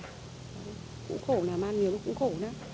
cũng khổ nè mang nhiều cũng khổ nè